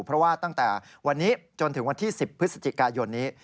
เพราะว่าตั้งแต่วันนี้จนถึงวันที่๑๐พฤศจิกายนนี้